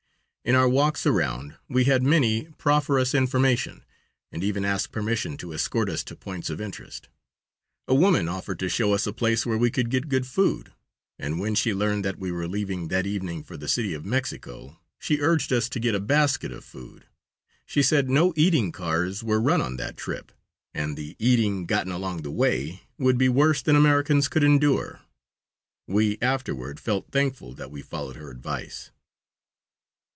In our walks around we had many proffer us information, and even ask permission to escort us to points of interest. A woman offered to show us a place where we could get good food, and when she learned that we were leaving that evening for the City of Mexico, she urged us to get a basket of food. She said no eating cars were run on that trip, and the eating gotten along the way would be worse than Americans could endure. We afterward felt thankful that we followed her advice.